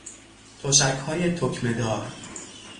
تشکهای تکمهدار